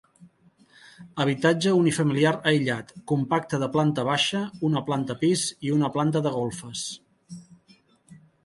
Habitatge unifamiliar aïllat, compacte de planta baixa, una planta pis i una planta de golfes.